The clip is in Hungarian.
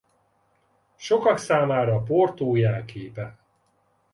Sokak számára Porto jelképe.